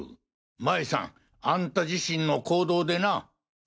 麻衣さんあんた自身の行動でな。